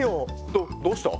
どどうした？